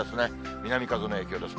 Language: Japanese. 南風の影響です。